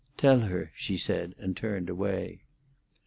"Tell her," she said, and turned away.